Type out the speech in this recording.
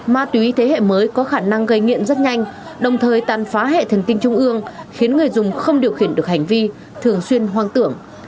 ma túy thế hệ mới có khả năng gây nghiện rất nhanh đồng thời tàn phá hệ thần kinh trung ương khiến người dùng không điều khiển được hành vi thường xuyên hoang tưởng